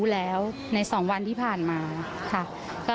แล้วใน๒วันที่ผ่านมาค่ะ